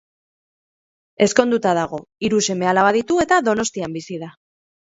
Ezkonduta dago, hiru seme-alaba ditu eta Donostian bizi da.